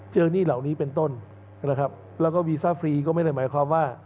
หนี้เหล่านี้เป็นต้นนะครับแล้วก็วีซ่าฟรีก็ไม่ได้หมายความว่า